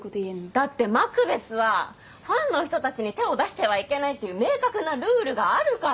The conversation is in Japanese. だってマクベスはファンの人たちに手を出してはいけないという明確なルールがあるから。